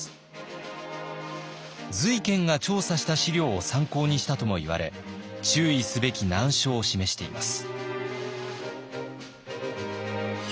瑞賢が調査した資料を参考にしたともいわれ注意すべき難所を示しています。